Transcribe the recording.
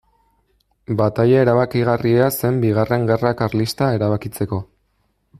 Bataila erabakigarria zen Bigarren Gerra Karlista erabakitzeko.